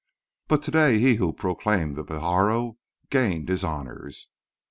But to day he who proclaimed the Pajaro gained his honours.